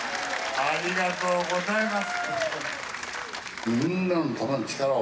ありがとうございます。